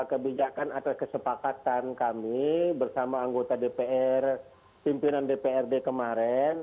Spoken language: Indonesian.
kebijakan atas kesepakatan kami bersama anggota dpr pimpinan dprd kemarin